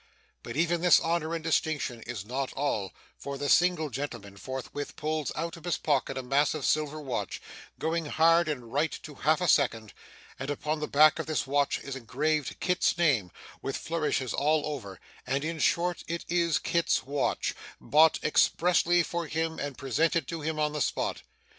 But even this honour and distinction is not all, for the single gentleman forthwith pulls out of his pocket a massive silver watch going hard, and right to half a second and upon the back of this watch is engraved Kit's name, with flourishes all over; and in short it is Kit's watch, bought expressly for him, and presented to him on the spot.